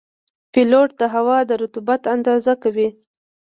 پیلوټ د هوا د رطوبت اندازه کوي.